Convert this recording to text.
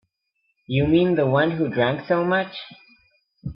You mean the one who drank so much?